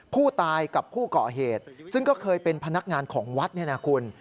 ผู้ตายกับผู้ก่อเหตุซึ่งก็เคยเป็นพนักงานของวัดเนี่ยนะคุณ